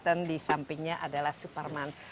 dan di sampingnya adalah su parman